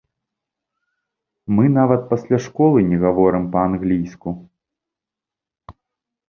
Мы нават пасля школы не гаворым па-англійску!